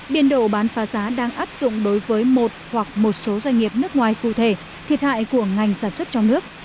biên độ bán phá giá đang áp dụng đối với một hoặc một số doanh nghiệp nước ngoài cụ thể thiệt hại của ngành sản xuất trong nước